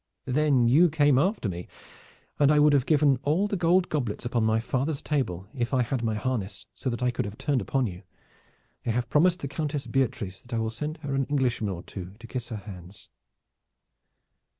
Then you came after me and I would have given all the gold goblets upon my father's table if I had my harness so that I could have turned upon you. I have promised the Countess Beatrice that I will send her an Englishman or two to kiss her hands."